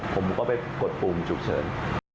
ผมก็ไปกดปุ่มฉุกเฉิน